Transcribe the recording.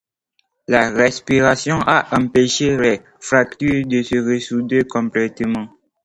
La respiration a empêché les fractures de se ressouder complètement.